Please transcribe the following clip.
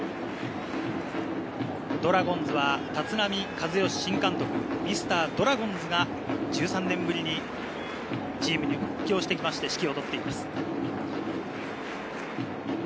ドラゴンズは立浪和義新監督、ミスタードラゴンズが１３年ぶりにチームに復帰して指揮を執っています。